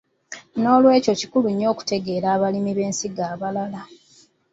N’olwekyo kikulu nnyo okutegeera obulungi abalimi b’ensigo abalala.